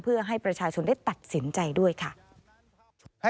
เพื่อให้ประชาชนได้ตัดสินใจด้วยค่ะ